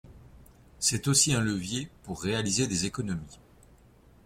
C’est aussi un levier pour réaliser des économies.